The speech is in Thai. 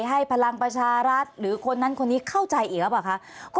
พลังประชารัฐหรือคนนั้นคนนี้เข้าใจอีกหรือเปล่าคะ